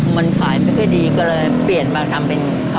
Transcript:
มันขายไม่ค่อยดีก็เลยเปลี่ยนมาทำเป็นข้าวเหนียวมูล